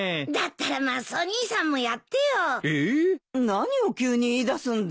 何を急に言いだすんだい。